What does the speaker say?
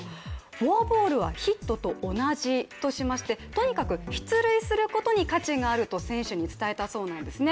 フォアボールはヒットと同じとしましてとにかく出塁することに価値があると選手に伝えたそうなんですね。